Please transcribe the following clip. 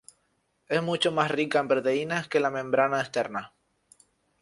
Es mucho más rica en proteínas que la membrana externa.